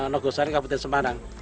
nogo saren kabupaten semarang